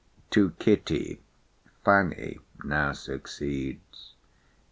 To Kitty, Fanny now fucceeds.